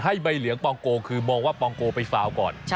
ใบเหลืองปองโกคือมองว่าปองโกไปฟาวก่อน